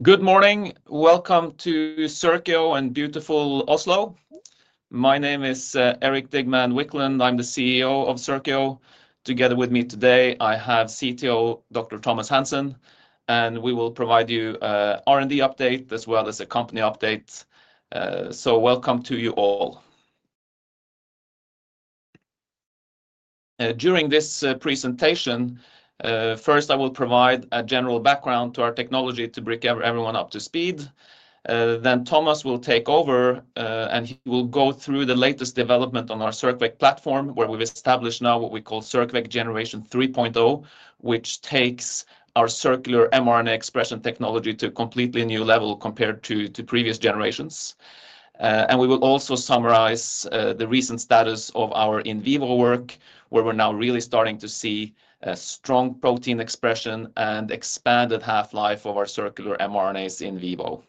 Good morning. Welcome to Circio and beautiful Oslo. My name is Erik Digman Wiklund. I'm the CEO of Circio. Together with me today, I have CTO, Dr. Thomas Hansen, and we will provide you an R&D update as well as a company update, so welcome to you all. During this presentation, first I will provide a general background to our technology to bring everyone up to speed, then Thomas will take over, and he will go through the latest development on our CircVec platform, where we've established now what we call CircVec Generation 3.0, which takes our circular mRNA expression technology to a completely new level compared to previous generations, and we will also summarize the recent status of our in vivo work, where we're now really starting to see strong protein expression and expanded half-life of our circular mRNAs in vivo.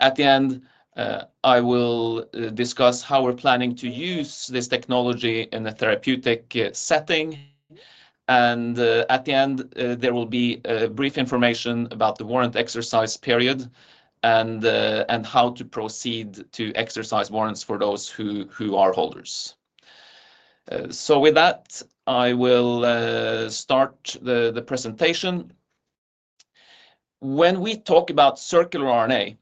At the end, I will discuss how we're planning to use this technology in a therapeutic setting. At the end, there will be brief information about the warrant exercise period and how to proceed to exercise warrants for those who are holders. With that, I will start the presentation. When we talk about circular RNA,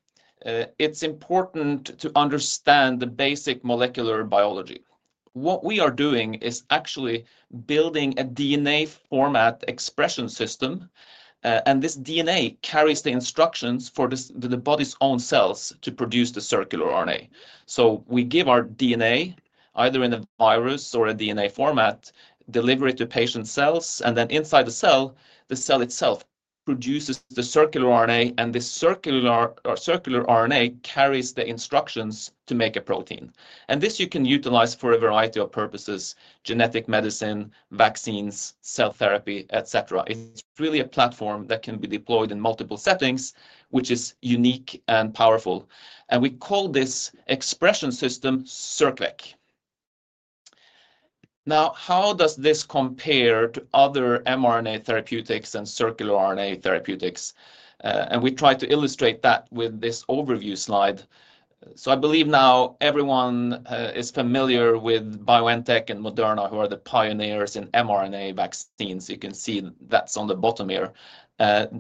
it's important to understand the basic molecular biology. What we are doing is actually building a DNA format expression system, and this DNA carries the instructions for the body's own cells to produce the circular RNA. We give our DNA, either in a virus or a DNA format, deliver it to patient cells, and then inside the cell, the cell itself produces the circular RNA, and this circular RNA carries the instructions to make a protein. This you can utilize for a variety of purposes: genetic medicine, vaccines, cell therapy, etc. It's really a platform that can be deployed in multiple settings, which is unique and powerful. And we call this expression system CircVec. Now, how does this compare to other mRNA therapeutics and circular RNA therapeutics? And we try to illustrate that with this overview slide. So I believe now everyone is familiar with BioNTech and Moderna, who are the pioneers in mRNA vaccines. You can see that's on the bottom here.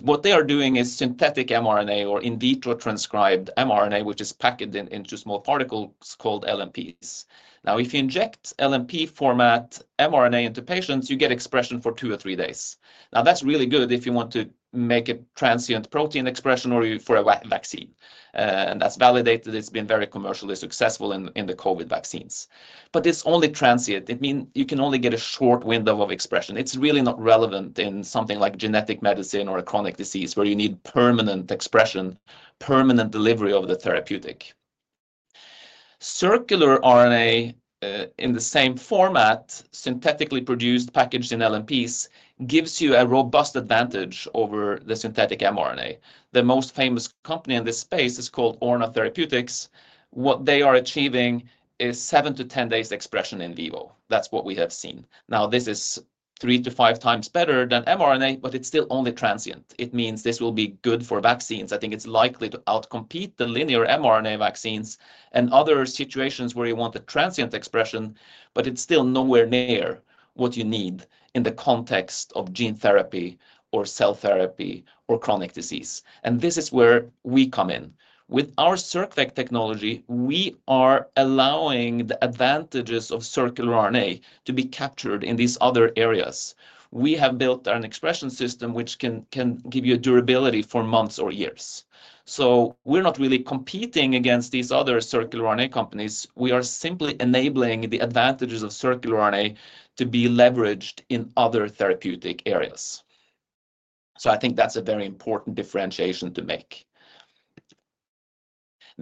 What they are doing is synthetic mRNA or in vitro transcribed mRNA, which is packaged into small particles called LNPs. Now, if you inject LNP format mRNA into patients, you get expression for two or three days. Now, that's really good if you want to make a transient protein expression or for a vaccine. And that's validated. It's been very commercially successful in the COVID vaccines. But it's only transient. It means you can only get a short window of expression. It's really not relevant in something like genetic medicine or a chronic disease where you need permanent expression, permanent delivery of the therapeutic. Circular RNA in the same format, synthetically produced, packaged in LNPs, gives you a robust advantage over the synthetic mRNA. The most famous company in this space is called Orna Therapeutics. What they are achieving is seven to ten days expression in vivo. That's what we have seen. Now, this is three to five times better than mRNA, but it's still only transient. It means this will be good for vaccines. I think it's likely to outcompete the linear mRNA vaccines and other situations where you want the transient expression, but it's still nowhere near what you need in the context of gene therapy or cell therapy or chronic disease. This is where we come in. With our CircVec technology, we are allowing the advantages of circular RNA to be captured in these other areas. We have built an expression system which can give you durability for months or years. We're not really competing against these other circular RNA companies. We are simply enabling the advantages of circular RNA to be leveraged in other therapeutic areas. I think that's a very important differentiation to make.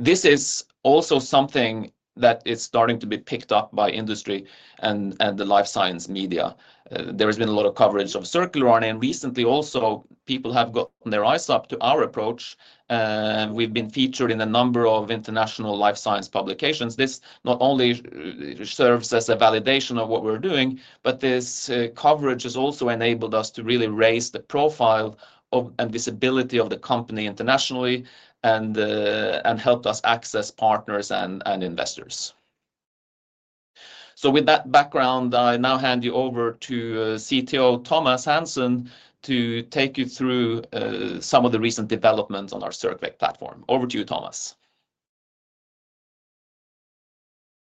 This is also something that is starting to be picked up by industry and the life science media. There has been a lot of coverage of circular RNA. Recently also, people have gotten their eyes up to our approach. We've been featured in a number of international life science publications. This not only serves as a validation of what we're doing, but this coverage has also enabled us to really raise the profile and visibility of the company internationally and helped us access partners and investors, so with that background, I now hand you over to CTO Thomas Hansen to take you through some of the recent developments on our CircVec platform. Over to you, Thomas.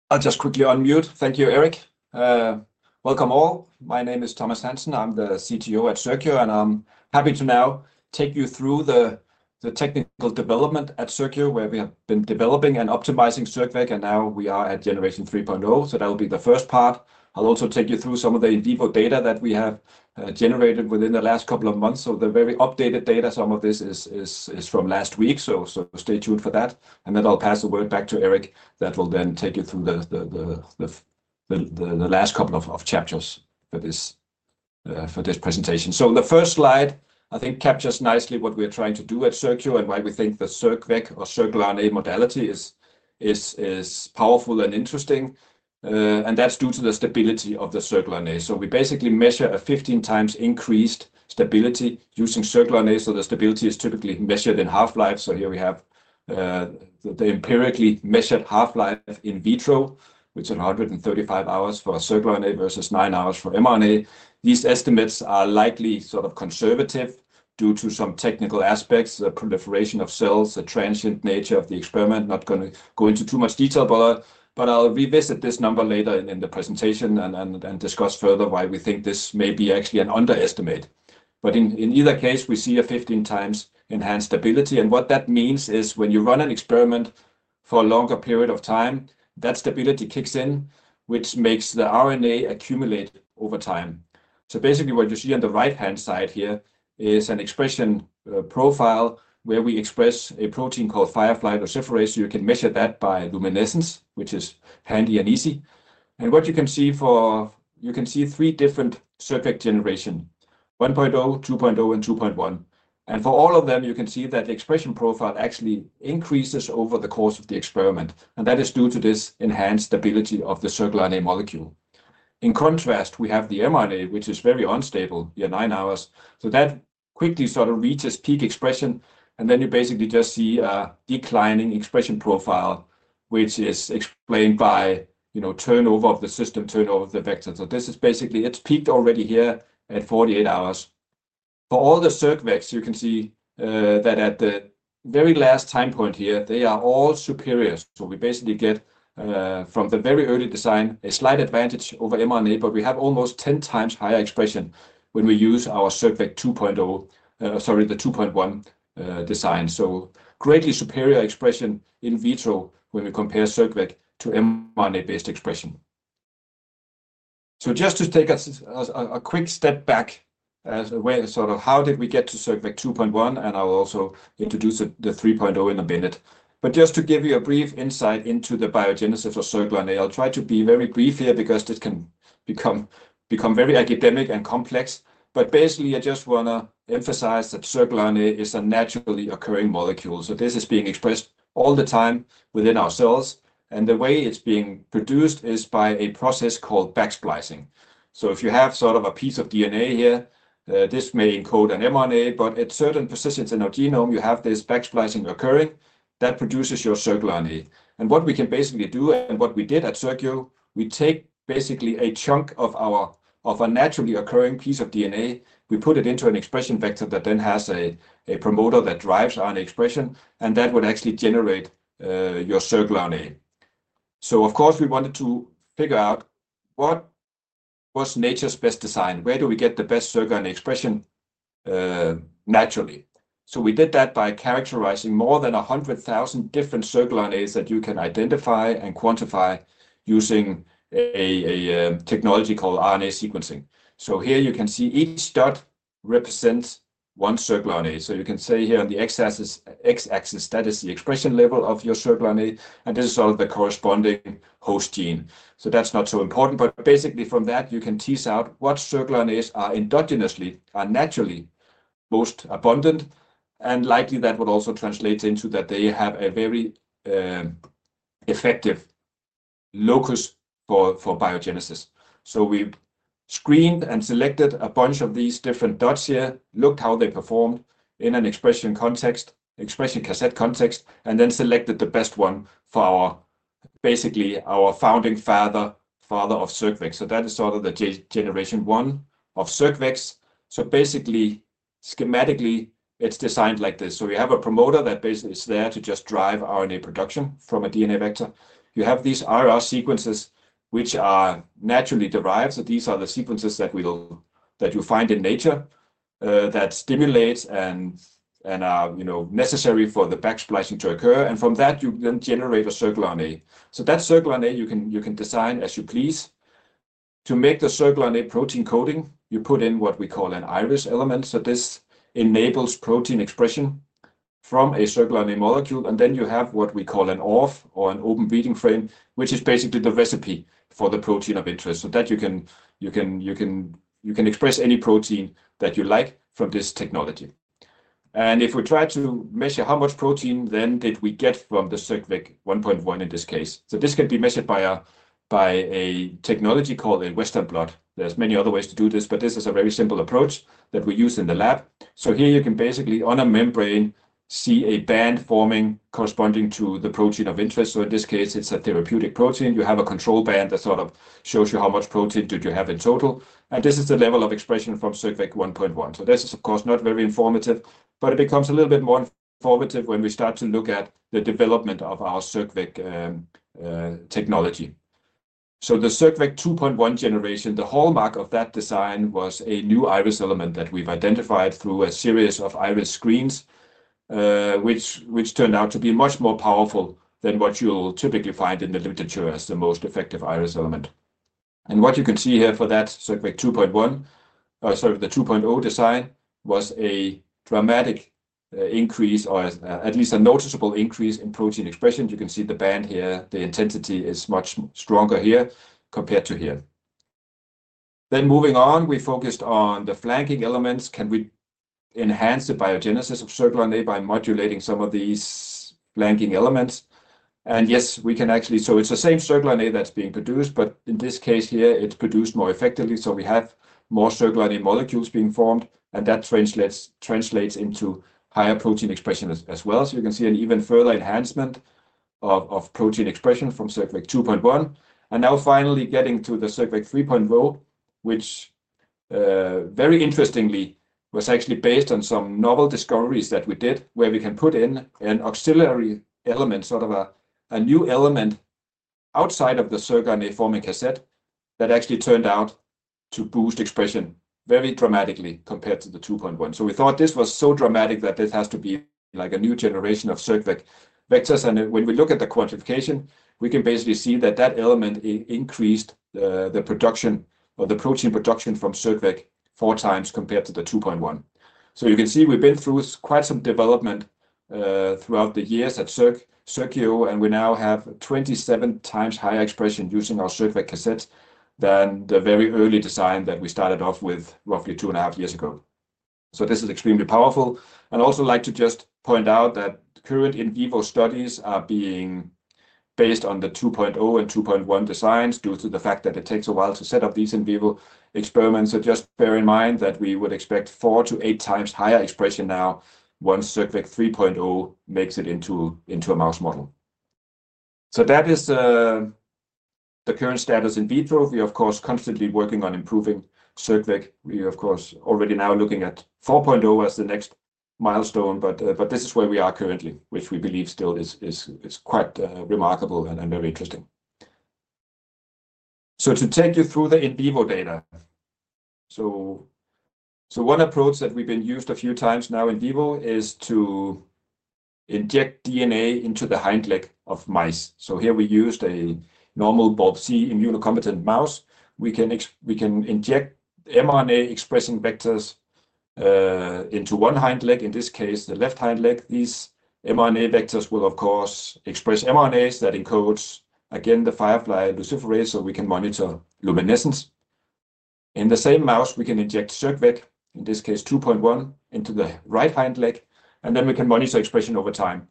I'll just quickly unmute. Thank you, Erik. Welcome all. My name is Thomas Hansen. I'm the CTO at Circio, and I'm happy to now take you through the technical development at Circio, where we have been developing and optimizing CircVec, and now we are at Generation 3.0, so that will be the first part. I'll also take you through some of the in vivo data that we have generated within the last couple of months, so the very updated data, some of this is from last week, so stay tuned for that, and then I'll pass the word back to Erik that will then take you through the last couple of chapters for this presentation, so the first slide, I think, captures nicely what we're trying to do at Circio and why we think the CircVec or circular RNA modality is powerful and interesting. And that's due to the stability of the circular RNA. So we basically measure a 15 times increased stability using circular RNA. So the stability is typically measured in half-life. So here we have the empirically measured half-life in vitro, which is 135 hours for circular RNA versus nine hours for mRNA. These estimates are likely sort of conservative due to some technical aspects, the proliferation of cells, the transient nature of the experiment. Not going to go into too much detail, but I'll revisit this number later in the presentation and discuss further why we think this may be actually an underestimate. But in either case, we see a 15 times enhanced stability. And what that means is when you run an experiment for a longer period of time, that stability kicks in, which makes the RNA accumulate over time. So basically what you see on the right-hand side here is an expression profile where we express a protein called Firefly Luciferase. You can measure that by luminescence, which is handy and easy. And what you can see for, you can see three different CircVec generation: 1.0, 2.0, and 2.1. And for all of them, you can see that the expression profile actually increases over the course of the experiment. And that is due to this enhanced stability of the circular RNA molecule. In contrast, we have the mRNA, which is very unstable here, nine hours. So that quickly sort of reaches peak expression. And then you basically just see a declining expression profile, which is explained by turnover of the system, turnover of the vector. So this is basically, it's peaked already here at 48 hours. For all the CircVecs, you can see that at the very last time point here, they are all superior. So we basically get from the very early design a slight advantage over mRNA, but we have almost 10 times higher expression when we use our CircVec 2.0, sorry, the 2.1 design. So greatly superior expression in vitro when we compare CircVec to mRNA-based expression. So just to take us a quick step back, sort of how did we get to CircVec 2.1? And I'll also introduce the 3.0 in a minute. But just to give you a brief insight into the biogenesis of circular RNA, I'll try to be very brief here because this can become very academic and complex. But basically, I just want to emphasize that circular RNA is a naturally occurring molecule. So this is being expressed all the time within our cells. And the way it's being produced is by a process called backsplicing. So if you have sort of a piece of DNA here, this may encode an mRNA, but at certain positions in our genome, you have this backsplicing occurring that produces your circular RNA. And what we can basically do, and what we did at Circio, we take basically a chunk of our naturally occurring piece of DNA, we put it into an expression vector that then has a promoter that drives RNA expression, and that would actually generate your circular RNA. So of course, we wanted to figure out what was nature's best design. Where do we get the best circular RNA expression naturally? So we did that by characterizing more than 100,000 different circular RNAs that you can identify and quantify using a technology called RNA sequencing. So here you can see each dot represents one circular RNA. So you can see here on the x-axis, that is the expression level of your circular RNA. And this is sort of the corresponding host gene. So that's not so important, but basically from that, you can tease out what circular RNAs are endogenously, are naturally most abundant. And likely that would also translate into that they have a very effective locus for biogenesis. So we screened and selected a bunch of these different dots here, looked how they performed in an expression context, expression cassette context, and then selected the best one for basically our founding father of CircVec. So that is sort of the generation one of CircVecs. So basically, schematically, it's designed like this. So you have a promoter that basically is there to just drive RNA production from a DNA vector. You have these RR sequences, which are naturally derived, so these are the sequences that you find in nature that stimulate and are necessary for the backsplicing to occur, and from that, you then generate a circular RNA, so that circular RNA, you can design as you please. To make the circular RNA protein coding, you put in what we call an IRES element, so this enables protein expression from a circular RNA molecule, and then you have what we call an ORF or an open reading frame, which is basically the recipe for the protein of interest, so that you can express any protein that you like from this technology, and if we try to measure how much protein then did we get from the CircVec 1.1 in this case? So this can be measured by a technology called a Western blot. There's many other ways to do this, but this is a very simple approach that we use in the lab. So here you can basically on a membrane see a band forming corresponding to the protein of interest. So in this case, it's a therapeutic protein. You have a control band that sort of shows you how much protein did you have in total. And this is the level of expression from CircVec 1.1. So this is, of course, not very informative, but it becomes a little bit more informative when we start to look at the development of our CircVec technology. So the CircVec 2.1 generation, the hallmark of that design was a new IRES element that we've identified through a series of IRES screens, which turned out to be much more powerful than what you'll typically find in the literature as the most effective IRES element. And what you can see here for that CircVec 2.1, sorry, the 2.0 design was a dramatic increase or at least a noticeable increase in protein expression. You can see the band here. The intensity is much stronger here compared to here. Then moving on, we focused on the flanking elements. Can we enhance the biogenesis of circular RNA by modulating some of these flanking elements? And yes, we can actually, so it's the same circular RNA that's being produced, but in this case here, it's produced more effectively. So we have more circular RNA molecules being formed, and that translates into higher protein expression as well. So you can see an even further enhancement of protein expression from CircVec 2.1. And now finally getting to the CircVec 3.0, which very interestingly was actually based on some novel discoveries that we did, where we can put in an auxiliary element, sort of a new element outside of the circular RNA forming cassette that actually turned out to boost expression very dramatically compared to the 2.1. So we thought this was so dramatic that this has to be like a new generation of CircVec vectors. And when we look at the quantification, we can basically see that that element increased the production or the protein production from CircVec four times compared to the 2.1. So you can see we've been through quite some development throughout the years at Circio, and we now have 27 times higher expression using our CircVec cassette than the very early design that we started off with roughly two and a half years ago. So this is extremely powerful. And I'd also like to just point out that current in vivo studies are being based on the 2.0 and 2.1 designs due to the fact that it takes a while to set up these in vivo experiments. So just bear in mind that we would expect four to eight times higher expression now once CircVec 3.0 makes it into a mouse model. So that is the current status in vitro. We are, of course, constantly working on improving CircVec. We are, of course, already now looking at 4.0 as the next milestone, but this is where we are currently, which we believe still is quite remarkable and very interesting. So to take you through the in vivo data, so one approach that we've been used a few times now in vivo is to inject DNA into the hind leg of mice. Here we used a normal Balb/c immunocompetent mouse. We can inject mRNA expressing vectors into one hind leg, in this case, the left hind leg. These mRNA vectors will, of course, express mRNAs that encode, again, the Firefly luciferase, so we can monitor luminescence. In the same mouse, we can inject CircVec, in this case 2.1, into the right hind leg, and then we can monitor expression over time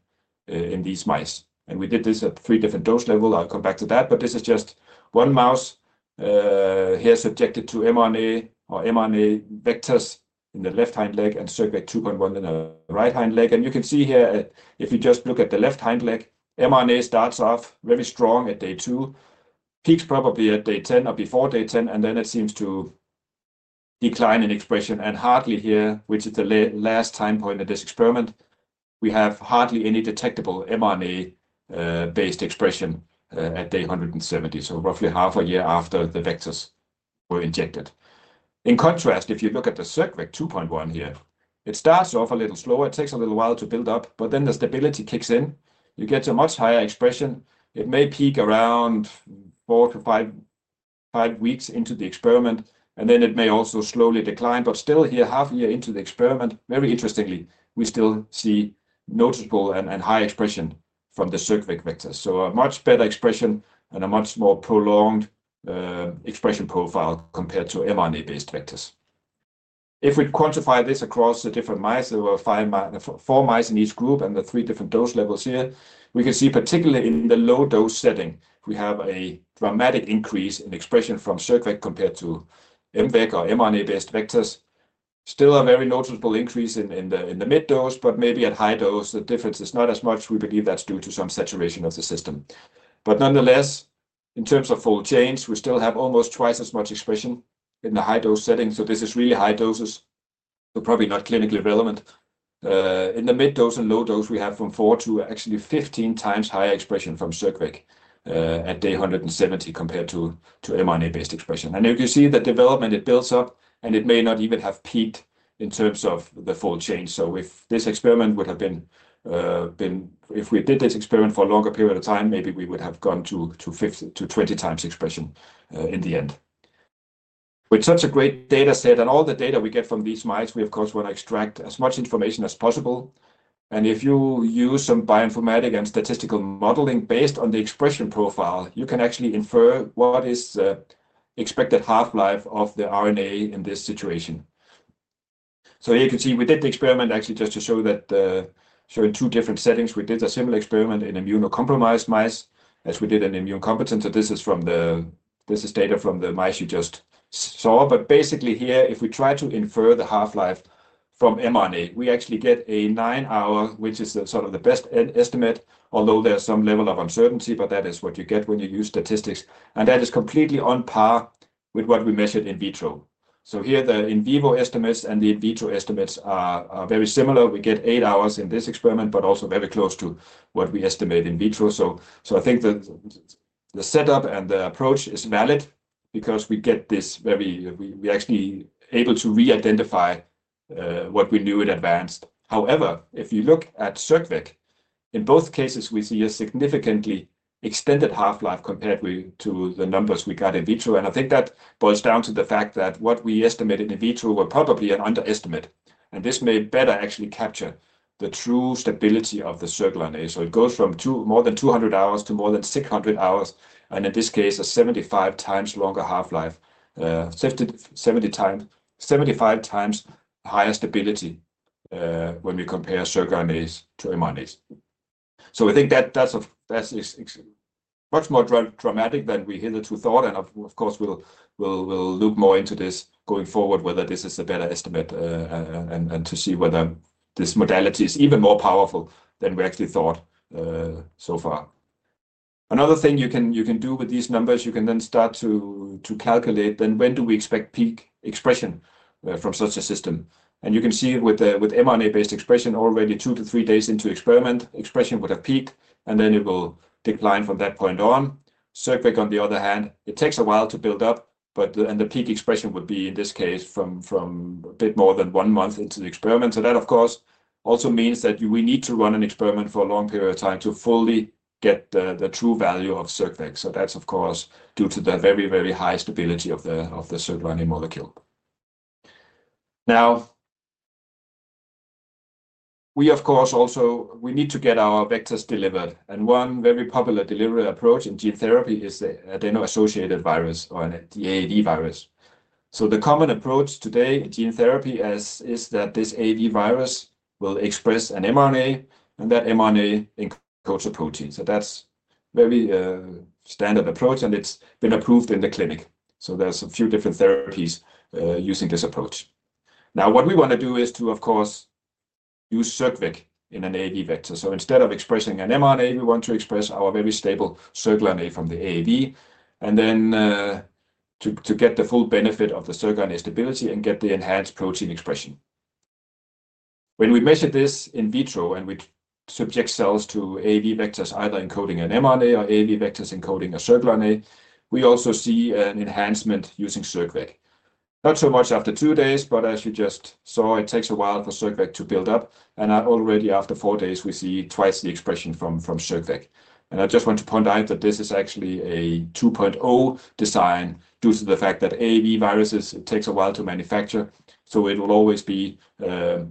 in these mice. We did this at three different dose levels. I'll come back to that, but this is just one mouse here subjected to mRNA or mRNA vectors in the left hind leg and CircVec 2.1 in the right hind leg. And you can see here, if you just look at the left hind leg, mRNA starts off very strong at day two, peaks probably at day 10 or before day 10, and then it seems to decline in expression. And hardly here, which is the last time point of this experiment, we have hardly any detectable mRNA-based expression at day 170, so roughly half a year after the vectors were injected. In contrast, if you look at the CircVec 2.1 here, it starts off a little slower. It takes a little while to build up, but then the stability kicks in. You get a much higher expression. It may peak around four to five weeks into the experiment, and then it may also slowly decline. But still here, half a year into the experiment, very interestingly, we still see noticeable and high expression from the CircVec vectors. So a much better expression and a much more prolonged expression profile compared to mRNA-based vectors. If we quantify this across the different mice, there were four mice in each group and the three different dose levels here, we can see particularly in the low dose setting, we have a dramatic increase in expression from CircVec compared to mVEC or mRNA-based vectors. Still a very noticeable increase in the mid dose, but maybe at high dose, the difference is not as much. We believe that's due to some saturation of the system. But nonetheless, in terms of full chains, we still have almost twice as much expression in the high dose setting. So this is really high doses, so probably not clinically relevant. In the mid dose and low dose, we have from four to actually 15 times higher expression from CircVec at day 170 compared to mRNA-based expression. You can see the development. It builds up, and it may not even have peaked in terms of the full chain. If this experiment would have been, if we did this experiment for a longer period of time, maybe we would have gone to 20 times expression in the end. With such a great data set and all the data we get from these mice, we, of course, want to extract as much information as possible. If you use some bioinformatics and statistical modeling based on the expression profile, you can actually infer what is the expected half-life of the RNA in this situation. Here you can see we did the experiment actually just to show that showing two different settings. We did a similar experiment in immunocompromised mice as we did in immunocompetent. This is data from the mice you just saw. Basically here, if we try to infer the half-life from mRNA, we actually get a nine-hour, which is sort of the best estimate, although there's some level of uncertainty, but that is what you get when you use statistics, and that is completely on par with what we measured in vitro. Here the in vivo estimates and the in vitro estimates are very similar. We get eight hours in this experiment, but also very close to what we estimate in vitro. I think the setup and the approach is valid because we get this very, we actually able to re-identify what we knew in advance. However, if you look at CircVec, in both cases, we see a significantly extended half-life compared to the numbers we got in vitro. I think that boils down to the fact that what we estimated in vitro were probably an underestimate. This may better actually capture the true stability of the circular RNA. It goes from more than 200 hours to more than 600 hours, and in this case, a 75 times longer half-life, 75 times higher stability when we compare circular RNAs to mRNAs. I think that that's much more dramatic than we hitherto thought. Of course, we'll look more into this going forward, whether this is a better estimate and to see whether this modality is even more powerful than we actually thought so far. Another thing you can do with these numbers, you can then start to calculate then when do we expect peak expression from such a system. You can see with mRNA-based expression, already two to three days into experiment, expression would have peaked, and then it will decline from that point on. CircVec, on the other hand, it takes a while to build up, and the peak expression would be in this case from a bit more than one month into the experiment. So that, of course, also means that we need to run an experiment for a long period of time to fully get the true value of CircVec. So that's, of course, due to the very, very high stability of the circular RNA molecule. Now, we, of course, also need to get our vectors delivered. And one very popular delivery approach in gene therapy is the adeno-associated virus or the AAV virus. The common approach today in gene therapy is that this AAV virus will express an mRNA, and that mRNA encodes a protein. That's a very standard approach, and it's been approved in the clinic. There's a few different therapies using this approach. Now, what we want to do is to, of course, use CircVec in an AAV vector. Instead of expressing an mRNA, we want to express our very stable circular RNA from the AAV and then to get the full benefit of the circular RNA stability and get the enhanced protein expression. When we measure this in vitro and we subject cells to AAV vectors either encoding an mRNA or AAV vectors encoding a circular RNA, we also see an enhancement using CircVec. Not so much after two days, but as you just saw, it takes a while for CircVec to build up. And already after four days, we see twice the expression from CircVec. And I just want to point out that this is actually a 2.0 design due to the fact that AAV viruses take a while to manufacture. So it will always be a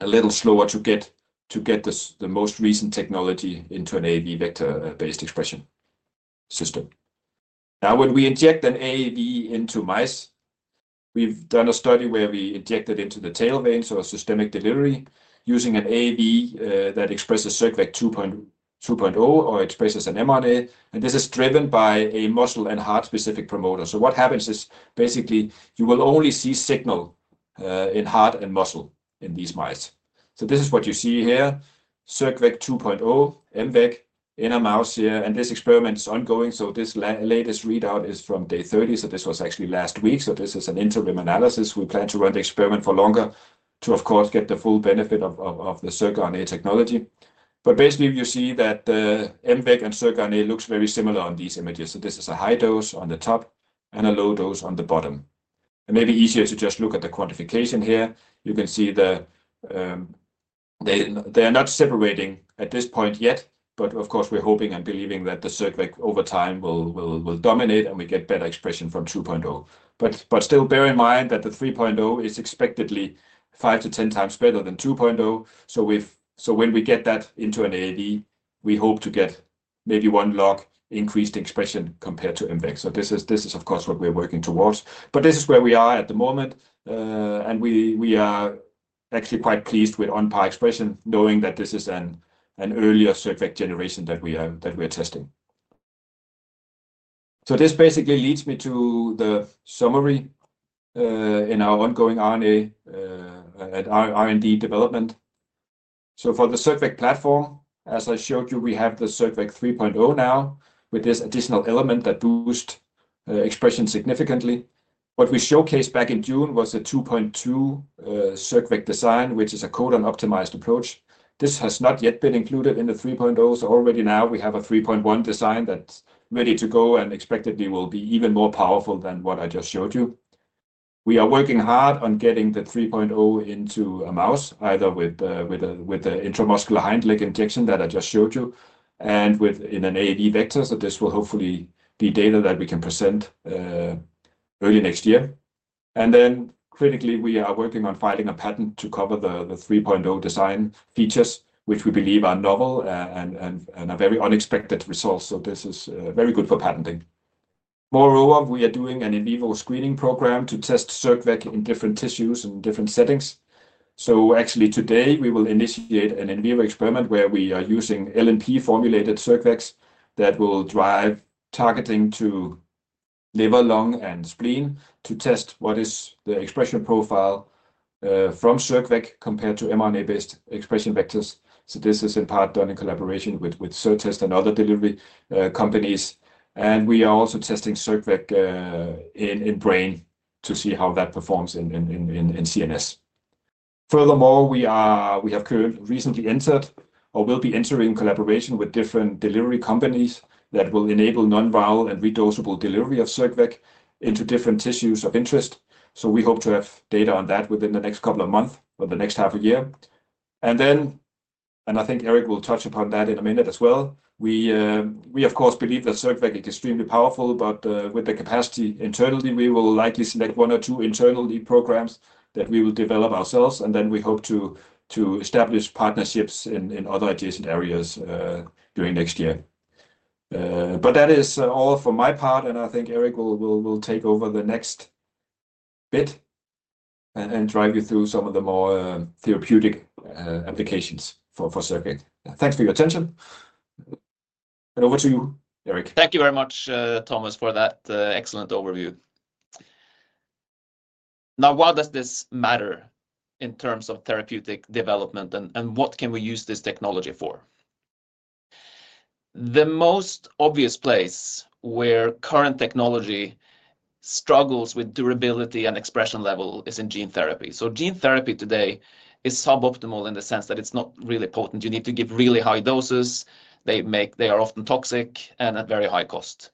little slower to get the most recent technology into an AAV vector-based expression system. Now, when we inject an AAV into mice, we've done a study where we injected it into the tail vein, so systemic delivery, using an AAV that expresses CircVec 2.0 or expresses an mRNA. And this is driven by a muscle and heart-specific promoter. So what happens is basically you will only see signal in heart and muscle in these mice. So this is what you see here, CircVec 2.0, mVEC in a mouse here. And this experiment is ongoing. So this latest readout is from day 30. So this was actually last week. So this is an interim analysis. We plan to run the experiment for longer to, of course, get the full benefit of the circular RNA technology. But basically, you see that the mVEC and circular RNA looks very similar on these images. So this is a high dose on the top and a low dose on the bottom. And maybe easier to just look at the quantification here. You can see they are not separating at this point yet, but of course, we're hoping and believing that the CircVec over time will dominate and we get better expression from 2.0. But still, bear in mind that the 3.0 is expectedly five to 10 times better than 2.0. So when we get that into an AAV, we hope to get maybe one log increased expression compared to mVEC. So this is, of course, what we're working towards. But this is where we are at the moment. And we are actually quite pleased with on par expression, knowing that this is an earlier CircVec generation that we are testing. So this basically leads me to the summary in our ongoing RNA and R&D development. So for the CircVec platform, as I showed you, we have the CircVec 3.0 now with this additional element that boosts expression significantly. What we showcased back in June was a 2.2 CircVec design, which is a codon-optimized approach. This has not yet been included in the 3.0. So already now we have a 3.1 design that's ready to go and expectedly will be even more powerful than what I just showed you. We are working hard on getting the 3.0 into a mouse, either with the intramuscular hind leg injection that I just showed you and with an AAV vector. So this will hopefully be data that we can present early next year. And then critically, we are working on finding a patent to cover the 3.0 design features, which we believe are novel and a very unexpected result. So this is very good for patenting. Moreover, we are doing an in vivo screening program to test CircVec in different tissues and different settings. So actually today, we will initiate an in vivo experiment where we are using LNP-formulated CircVecs that will drive targeting to liver, lung, and spleen to test what is the expression profile from CircVec compared to mRNA-based expression vectors. So this is in part done in collaboration with CerTest and other delivery companies. And we are also testing CircVec in brain to see how that performs in CNS. Furthermore, we have recently entered or will be entering collaboration with different delivery companies that will enable non-viral and redosable delivery of CircVec into different tissues of interest. So we hope to have data on that within the next couple of months or the next half a year. And then, and I think Erik will touch upon that in a minute as well. We, of course, believe that CircVec is extremely powerful, but with the capacity internally, we will likely select one or two internal programs. That we will develop ourselves, and then we hope to establish partnerships in other adjacent areas during next year. But that is all from my part, and I think Erik will take over the next bit and drive you through some of the more therapeutic applications for CircVec. Thanks for your attention. And over to you, Erik. Thank you very much, Thomas, for that excellent overview. Now, why does this matter in terms of therapeutic development, and what can we use this technology for? The most obvious place where current technology struggles with durability and expression level is in gene therapy. So gene therapy today is suboptimal in the sense that it's not really potent. You need to give really high doses. They are often toxic and at very high cost.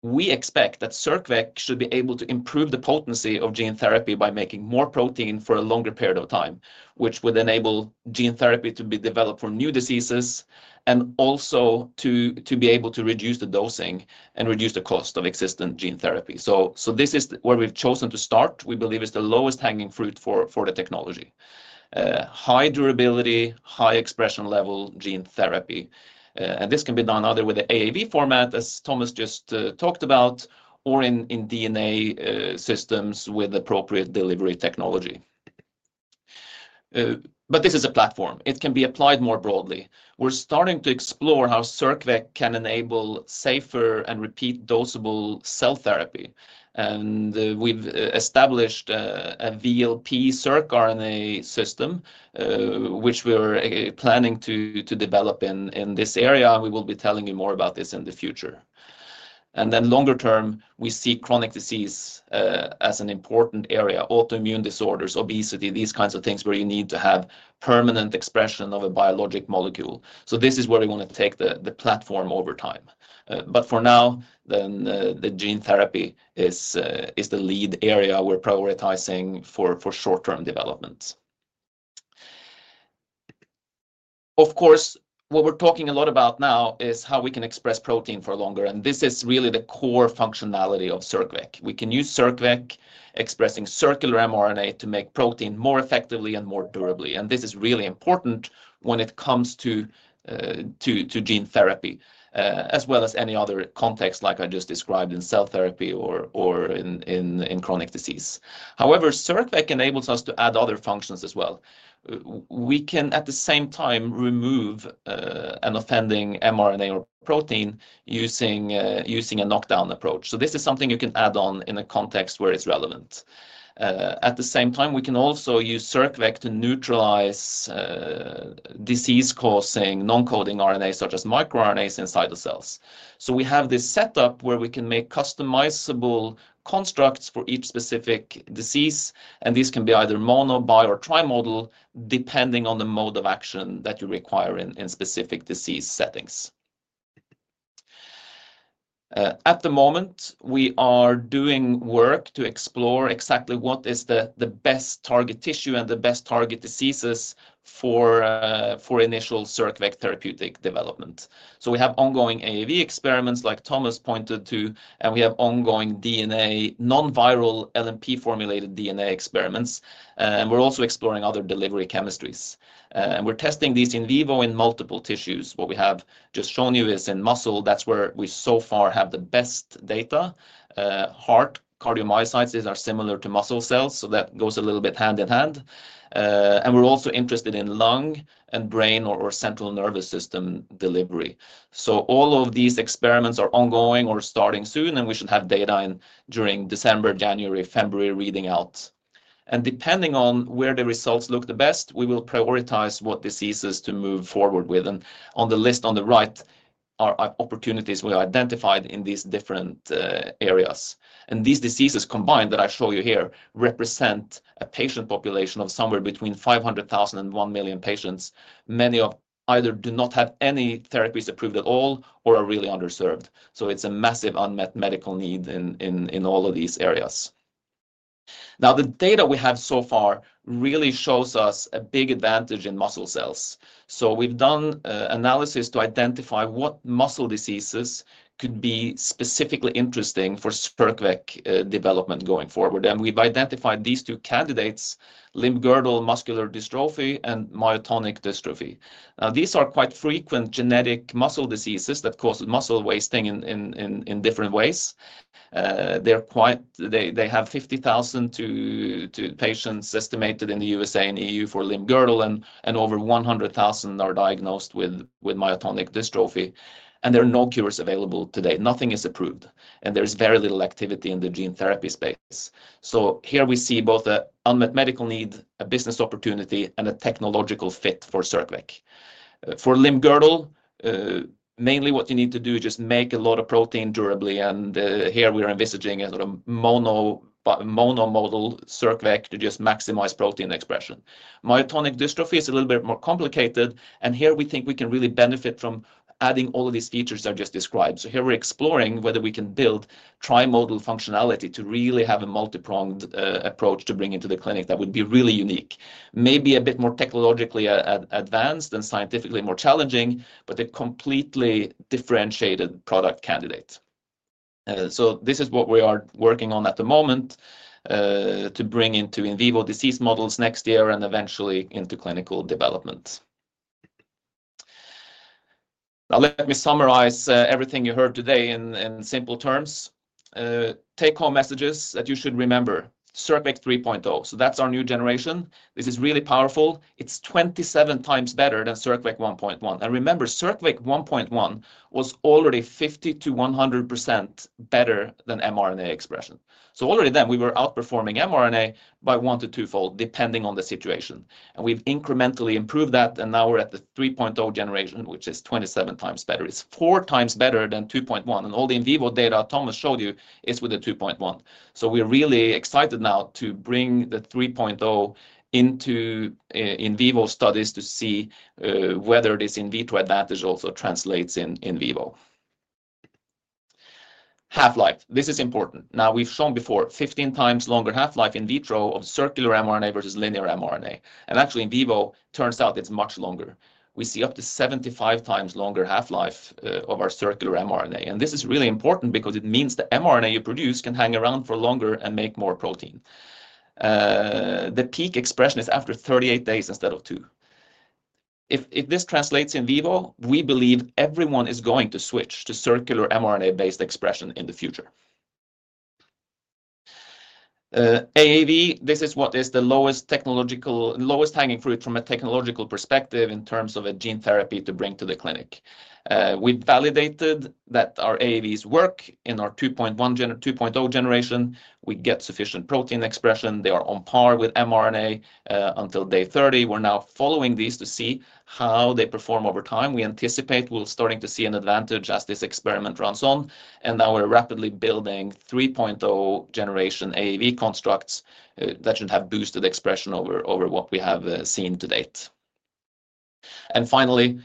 We expect that CircVec should be able to improve the potency of gene therapy by making more protein for a longer period of time, which would enable gene therapy to be developed for new diseases and also to be able to reduce the dosing and reduce the cost of existing gene therapy. So this is where we've chosen to start. We believe it's the lowest hanging fruit for the technology. High durability, high expression level gene therapy. And this can be done either with the AAV format, as Thomas just talked about, or in DNA systems with appropriate delivery technology. But this is a platform. It can be applied more broadly. We're starting to explore how CircVec can enable safer and repeat-dosable cell therapy. And we've established a VLP CircRNA system, which we're planning to develop in this area. We will be telling you more about this in the future. And then longer term, we see chronic disease as an important area, autoimmune disorders, obesity, these kinds of things where you need to have permanent expression of a biologic molecule. So this is where we want to take the platform over time. But for now, then the gene therapy is the lead area we're prioritizing for short-term developments. Of course, what we're talking a lot about now is how we can express protein for longer, and this is really the core functionality of CircVec. We can use CircVec expressing circular mRNA to make protein more effectively and more durably, and this is really important when it comes to gene therapy, as well as any other context like I just described in cell therapy or in chronic disease. However, CircVec enables us to add other functions as well. We can, at the same time, remove an offending mRNA or protein using a knockdown approach, so this is something you can add on in a context where it's relevant. At the same time, we can also use CircVec to neutralize disease-causing non-coding RNA, such as microRNAs inside the cells, so we have this setup where we can make customizable constructs for each specific disease. These can be either mono, bi, or tri-modal, depending on the mode of action that you require in specific disease settings. At the moment, we are doing work to explore exactly what is the best target tissue and the best target diseases for initial CircVec therapeutic development. So we have ongoing AAV experiments, like Thomas pointed to, and we have ongoing DNA, non-viral LNP-formulated DNA experiments. And we're also exploring other delivery chemistries. And we're testing these in vivo in multiple tissues. What we have just shown you is in muscle. That's where we so far have the best data. Heart, cardiomyocytes are similar to muscle cells, so that goes a little bit hand in hand. And we're also interested in lung and brain or central nervous system delivery. So all of these experiments are ongoing or starting soon, and we should have data during December, January, February reading out. And depending on where the results look the best, we will prioritize what diseases to move forward with. And on the list on the right are opportunities we identified in these different areas. And these diseases combined that I show you here represent a patient population of somewhere between 500,000 and 1 million patients, many of whom either do not have any therapies approved at all or are really underserved. So it's a massive unmet medical need in all of these areas. Now, the data we have so far really shows us a big advantage in muscle cells. So we've done analysis to identify what muscle diseases could be specifically interesting for CircVec development going forward. And we've identified these two candidates, limb-girdle muscular dystrophy and myotonic dystrophy. Now, these are quite frequent genetic muscle diseases that cause muscle wasting in different ways. They have 50,000 patients estimated in the USA and EU for limb-girdle, and over 100,000 are diagnosed with myotonic dystrophy. And there are no cures available today. Nothing is approved. And there is very little activity in the gene therapy space. So here we see both an unmet medical need, a business opportunity, and a technological fit for CircVec. For limb-girdle, mainly what you need to do is just make a lot of protein durably. And here we are envisaging a monomodal CircVec to just maximize protein expression. Myotonic dystrophy is a little bit more complicated. And here we think we can really benefit from adding all of these features I just described. So here we're exploring whether we can build tri-modal functionality to really have a multi-pronged approach to bring into the clinic that would be really unique. Maybe a bit more technologically advanced and scientifically more challenging, but a completely differentiated product candidate. So this is what we are working on at the moment to bring into in vivo disease models next year and eventually into clinical development. Now, let me summarize everything you heard today in simple terms. Take-home messages that you should remember: CircVec 3.0. So that's our new generation. This is really powerful. It's 27 times better than CircVec 1.1. And remember, CircVec 1.1 was already 50%-100% better than mRNA expression. So already then, we were outperforming mRNA by one to twofold, depending on the situation. And we've incrementally improved that, and now we're at the 3.0 generation, which is 27 times better. It's four times better than 2.1. And all the in vivo data Thomas showed you is with the 2.1. So we're really excited now to bring the 3.0 into in vivo studies to see whether this in vitro advantage also translates in vivo. Half-life. This is important. Now, we've shown before 15 times longer half-life in vitro of circular mRNA versus linear mRNA. And actually, in vivo, it turns out it's much longer. We see up to 75 times longer half-life of our circular mRNA. And this is really important because it means the mRNA you produce can hang around for longer and make more protein. The peak expression is after 38 days instead of two. If this translates in vivo, we believe everyone is going to switch to circular mRNA-based expression in the future. AAV, this is what is the lowest hanging fruit from a technological perspective in terms of a gene therapy to bring to the clinic. We validated that our AAVs work in our 2.0 generation. We get sufficient protein expression. They are on par with mRNA until day 30. We're now following these to see how they perform over time. We anticipate we're starting to see an advantage as this experiment runs on. And now we're rapidly building 3.0 generation AAV constructs that should have boosted expression over what we have seen to date. And finally,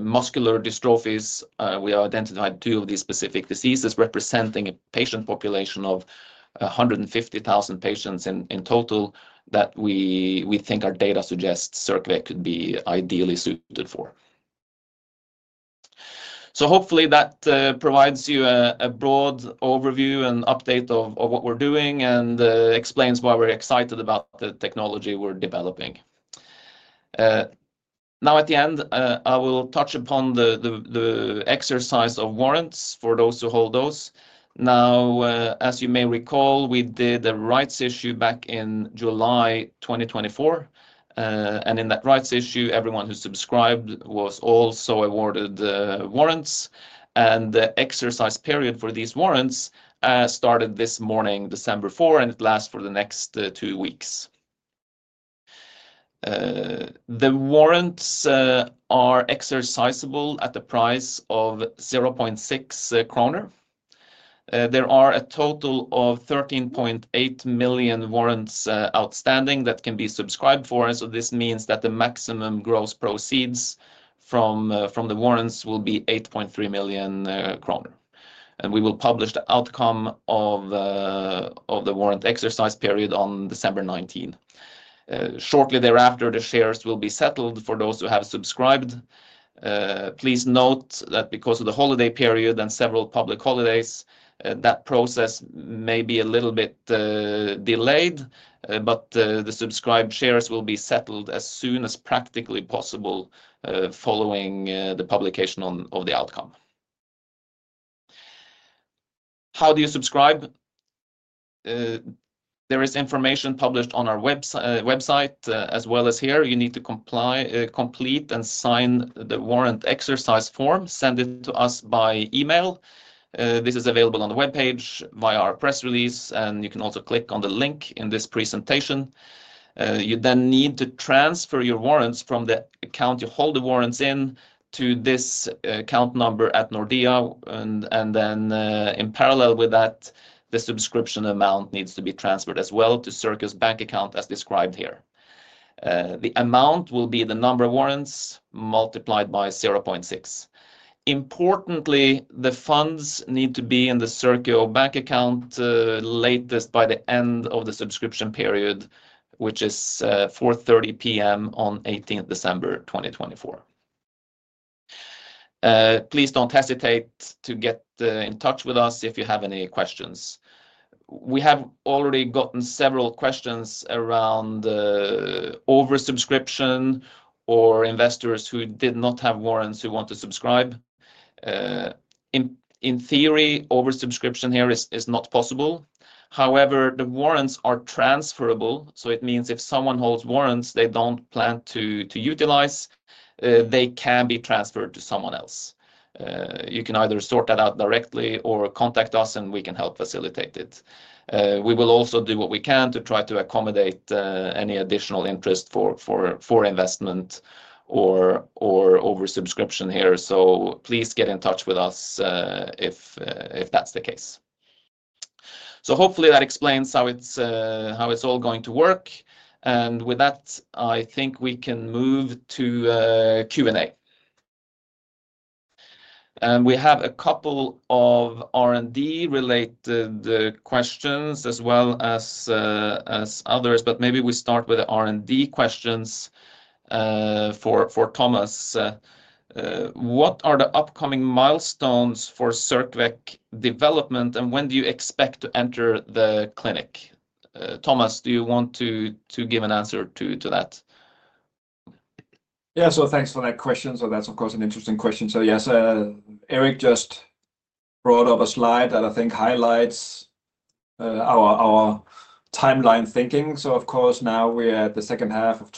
muscular dystrophies, we have identified two of these specific diseases representing a patient population of 150,000 patients in total that we think our data suggests CircVec could be ideally suited for. So hopefully that provides you a broad overview and update of what we're doing and explains why we're excited about the technology we're developing. Now, at the end, I will touch upon the exercise of warrants for those who hold those. Now, as you may recall, we did a rights issue back in July 2024. And in that rights issue, everyone who subscribed was also awarded warrants. And the exercise period for these warrants started this morning, December 4, and it lasts for the next two weeks. The warrants are exercisable at the price of 0.6 kroner. There are a total of 13.8 million warrants outstanding that can be subscribed for. So this means that the maximum gross proceeds from the warrants will be 8.3 million kroner. And we will publish the outcome of the warrant exercise period on December 19. Shortly thereafter, the shares will be settled for those who have subscribed. Please note that because of the holiday period and several public holidays, that process may be a little bit delayed, but the subscribed shares will be settled as soon as practically possible following the publication of the outcome. How do you subscribe? There is information published on our website as well as here. You need to complete and sign the warrant exercise form, send it to us by email. This is available on the webpage via our press release, and you can also click on the link in this presentation. You then need to transfer your warrants from the account you hold the warrants in to this account number at Nordea. And then in parallel with that, the subscription amount needs to be transferred as well to Circio's bank account as described here. The amount will be the number of warrants multiplied by 0.6. Importantly, the funds need to be in the Circio bank account latest by the end of the subscription period, which is 4:30 P.M. on 18 December 2024. Please don't hesitate to get in touch with us if you have any questions. We have already gotten several questions around oversubscription or investors who did not have warrants who want to subscribe. In theory, oversubscription here is not possible. However, the warrants are transferable, so it means if someone holds warrants they don't plan to utilize, they can be transferred to someone else. You can either sort that out directly or contact us, and we can help facilitate it. We will also do what we can to try to accommodate any additional interest for investment or oversubscription here. So please get in touch with us if that's the case. So hopefully that explains how it's all going to work. And with that, I think we can move to Q&A. And we have a couple of R&D-related questions as well as others, but maybe we start with the R&D questions for Thomas. What are the upcoming milestones for CircVec development, and when do you expect to enter the clinic? Thomas, do you want to give an answer to that? Yeah, so thanks for that question. So that's, of course, an interesting question. So yes, Erik just brought up a slide that I think highlights our timeline thinking. So of course, now we're at the second half of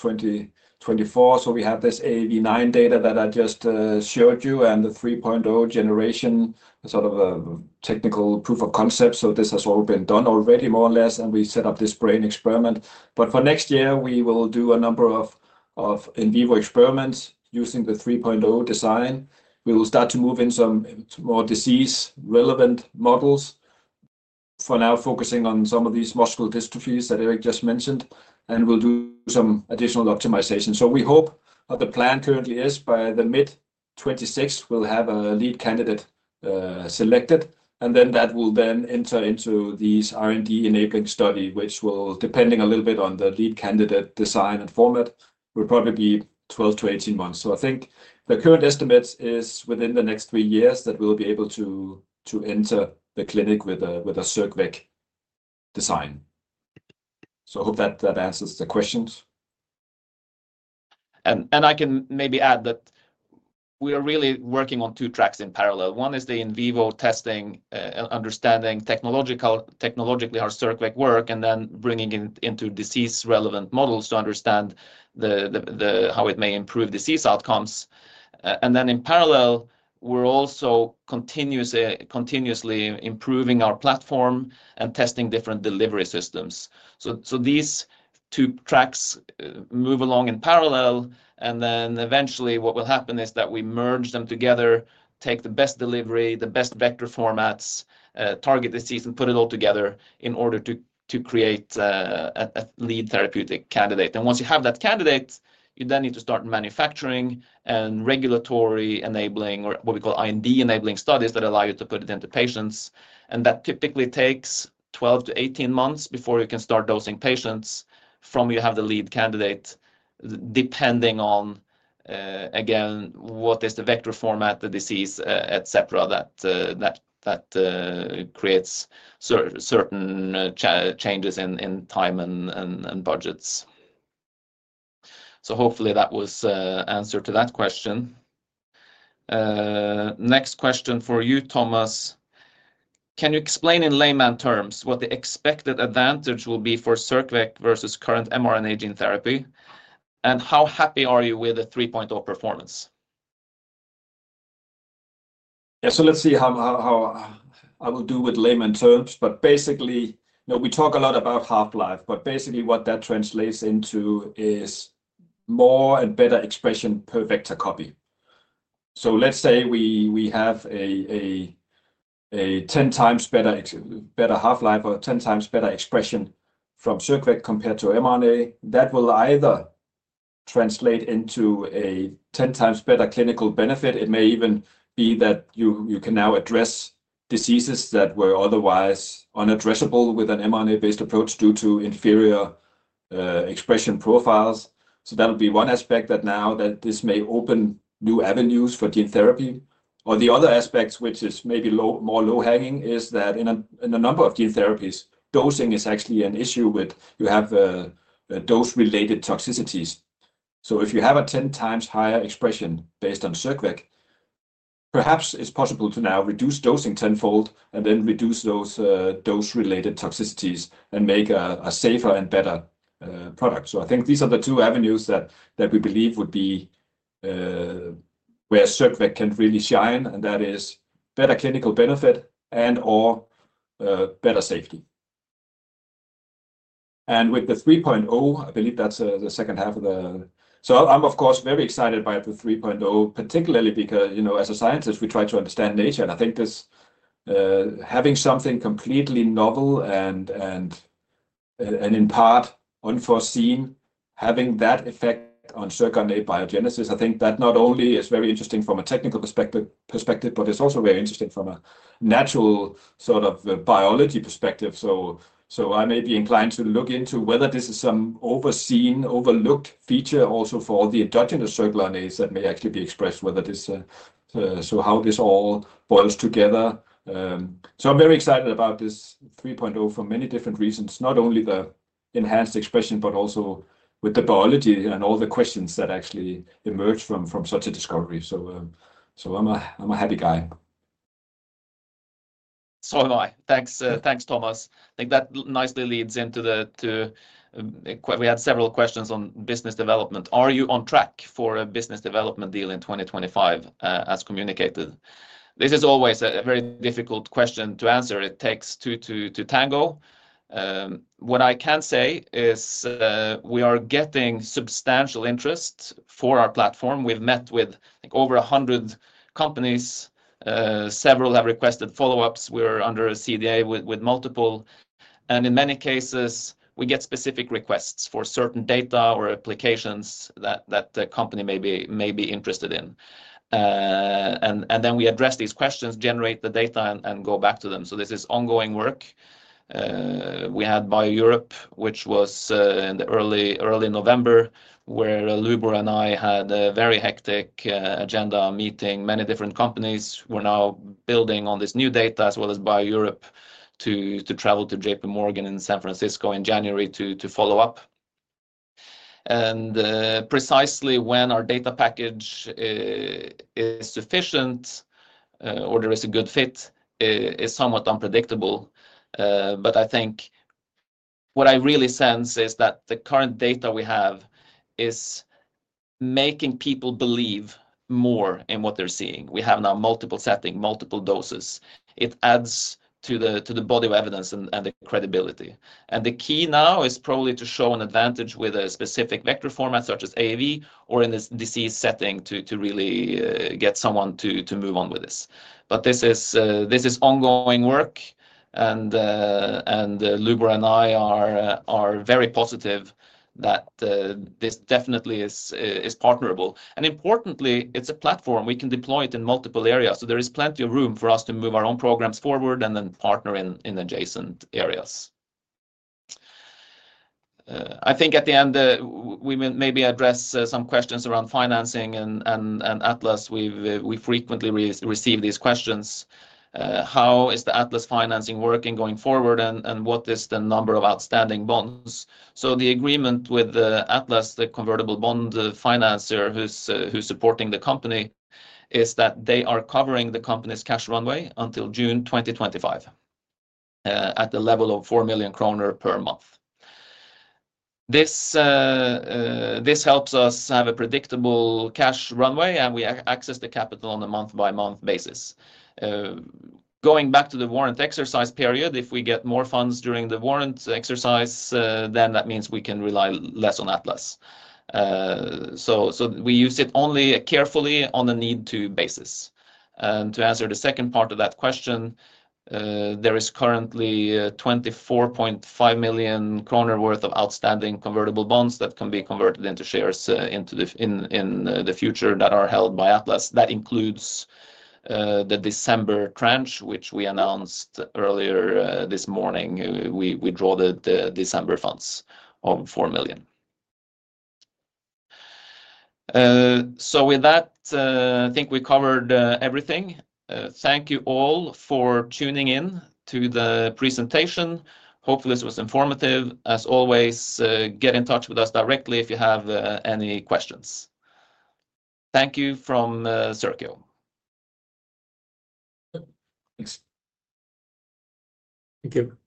2024. So we have this AAV9 data that I just showed you and the 3.0 generation, sort of a technical proof of concept. So this has all been done already, more or less, and we set up this brain experiment. But for next year, we will do a number of in vivo experiments using the 3.0 design. We will start to move in some more disease-relevant models, for now focusing on some of these muscular dystrophies that Erik just mentioned, and we'll do some additional optimization. So we hope that the plan currently is by the mid-2026, we'll have a lead candidate selected, and then that will then enter into these R&D enabling study, which will, depending a little bit on the lead candidate design and format, will probably be 12-18 months. So I think the current estimate is within the next three years that we'll be able to enter the clinic with a CircVec design. So I hope that answers the questions. And I can maybe add that we are really working on two tracks in parallel. One is the in vivo testing and understanding technologically how CircVec works, and then bringing it into disease-relevant models to understand how it may improve disease outcomes, and then in parallel, we're also continuously improving our platform and testing different delivery systems, so these two tracks move along in parallel, and then eventually what will happen is that we merge them together, take the best delivery, the best vector formats, target disease, and put it all together in order to create a lead therapeutic candidate, and once you have that candidate, you then need to start manufacturing and regulatory enabling, or what we call IND enabling studies that allow you to put it into patients. That typically takes 12 to 18 months before you can start dosing patients from you have the lead candidate, depending on, again, what is the vector format, the disease, etc., that creates certain changes in time and budgets. Hopefully that was the answer to that question. Next question for you, Thomas. Can you explain in layman's terms what the expected advantage will be for CircVec versus current mRNA gene therapy? And how happy are you with the 3.0 performance? Yeah, so let's see how I will do with layman's terms, but basically, we talk a lot about half-life, but basically what that translates into is more and better expression per vector copy. So let's say we have a 10 times better half-life or 10 times better expression from CircVec compared to mRNA. That will either translate into a 10 times better clinical benefit. It may even be that you can now address diseases that were otherwise unaddressable with an mRNA-based approach due to inferior expression profiles. So that would be one aspect that now that this may open new avenues for gene therapy. Or the other aspect, which is maybe more low-hanging, is that in a number of gene therapies, dosing is actually an issue with you have dose-related toxicities. So if you have a 10 times higher expression based on CircVec, perhaps it's possible to now reduce dosing tenfold and then reduce those dose-related toxicities and make a safer and better product. So I think these are the two avenues that we believe would be where CircVec can really shine, and that is better clinical benefit and/or better safety, and with the 3.0, I believe that's the second half of the... So I'm, of course, very excited by the 3.0, particularly because, you know, as a scientist, we try to understand nature. And I think this having something completely novel and in part unforeseen, having that effect on circular RNA biogenesis, I think that not only is very interesting from a technical perspective, but it's also very interesting from a natural sort of biology perspective. So I may be inclined to look into whether this is some overseen, overlooked feature also for the endogenous circular RNAs that may actually be expressed, whether this... So how this all boils together. So I'm very excited about this 3.0 for many different reasons, not only the enhanced expression, but also with the biology and all the questions that actually emerge from such a discovery. So I'm a happy guy. So am I. Thanks, Thomas. I think that nicely leads into the... We had several questions on business development. Are you on track for a business development deal in 2025, as communicated? This is always a very difficult question to answer. It takes two to tango. What I can say is we are getting substantial interest for our platform. We've met with over 100 companies. Several have requested follow-ups. We're under a CDA with multiple. And in many cases, we get specific requests for certain data or applications that the company may be interested in. And then we address these questions, generate the data, and go back to them. So this is ongoing work. We had BioEurope, which was in the early November, where Lubor and I had a very hectic agenda meeting. Many different companies were now building on this new data, as well as BioEurope, to travel to J.P. Morgan in San Francisco in January to follow up. Precisely when our data package is sufficient or there is a good fit is somewhat unpredictable. But I think what I really sense is that the current data we have is making people believe more in what they're seeing. We have now multiple settings, multiple doses. It adds to the body of evidence and the credibility. And the key now is probably to show an advantage with a specific vector format such as AAV or in this disease setting to really get someone to move on with this. But this is ongoing work, and Lubor and I are very positive that this definitely is partnerable. And importantly, it's a platform. We can deploy it in multiple areas. So there is plenty of room for us to move our own programs forward and then partner in adjacent areas. I think at the end, we maybe address some questions around financing and Atlas. We frequently receive these questions. How is the Atlas financing working going forward, and what is the number of outstanding bonds? So the agreement with Atlas, the convertible bond financer who's supporting the company, is that they are covering the company's cash runway until June 2025 at the level of 4 million kroner per month. This helps us have a predictable cash runway, and we access the capital on a month-by-month basis. Going back to the warrant exercise period, if we get more funds during the warrant exercise, then that means we can rely less on Atlas. So we use it only carefully on a need-to basis. To answer the second part of that question, there is currently 24.5 million kroner worth of outstanding convertible bonds that can be converted into shares in the future that are held by Atlas. That includes the December tranche, which we announced earlier this morning. We draw the December funds of 4 million. So with that, I think we covered everything. Thank you all for tuning in to the presentation. Hopefully, this was informative. As always, get in touch with us directly if you have any questions. Thank you from Circio. Thanks. Thank you.